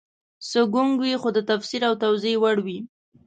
څه ګونګ وي خو د تفسیر او توضیح وړ وي